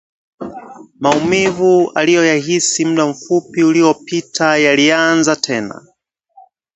Maumivu aliyoyahisi muda mfupi uliopita yalianza tena